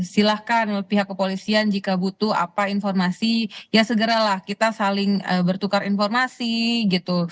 silahkan pihak kepolisian jika butuh apa informasi ya segeralah kita saling bertukar informasi gitu